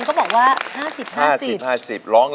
ใช้